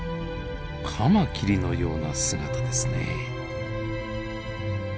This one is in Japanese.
カマキリのような姿ですね。